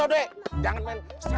lo udah ngajarimana